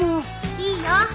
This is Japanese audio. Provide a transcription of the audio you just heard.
いいよ。